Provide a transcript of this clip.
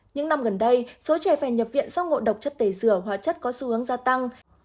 những năm gần đây số trẻ phải nhập viện do ngộ độc chất tẩy rửa hóa chất có xu hướng gia tăng